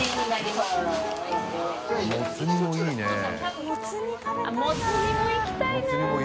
もつ煮もいきたいな！